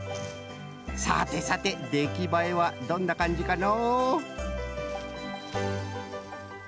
さてさてできばえはどんなかんじかのう？